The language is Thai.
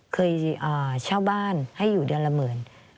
เคยเช่าบ้านให้อยู่เดือนละหมื่น